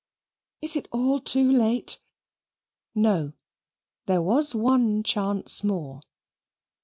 Is it all too late?" No; there was one chance more.